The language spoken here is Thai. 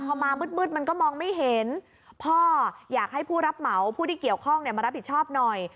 พอมามืดมันก็มองไม่เห็นพ่ออยากให้ผู้รับเหมาผู้ที่เกี่ยวข้องมารับผิดชอบหน่อย